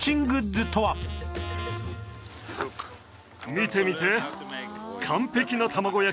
見てみて。